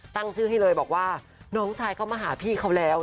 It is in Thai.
ตั้งชื่อให้เลยบอกว่าน้องชายเขามาหาพี่เขาแล้ว